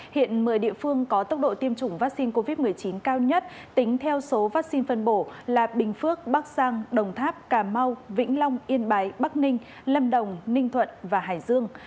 hiện một mươi địa phương có tốc độ tiêm chủng vaccine covid một mươi chín cao nhất tính theo số vaccine phân bổ là bình phước bắc giang đồng tháp cà mau vĩnh long yên bái bắc ninh lâm đồng ninh thuận và hải dương